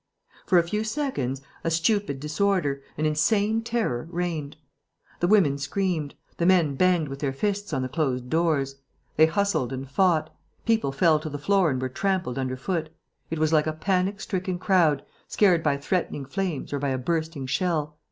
For a few seconds, a stupid disorder, an insane terror, reigned. The women screamed. The men banged with their fists on the closed doors. They hustled and fought. People fell to the floor and were trampled under foot. It was like a panic stricken crowd, scared by threatening flames or by a bursting shell.